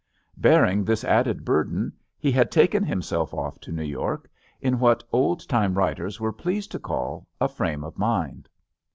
Bearing this added burden, he had taken himself off to New York, in what old time writers were pleased to call a frame of mind.